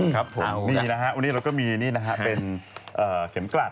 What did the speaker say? ครับวันนี้เราก็มีเป็นเข็มกลัด